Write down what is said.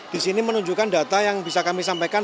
disini menunjukkan data yang bisa kami sampaikan